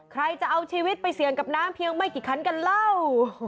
ใครจะเอาชีวิตไปเสี่ยงกับน้ำเพียงไม่กี่คันกันเล่า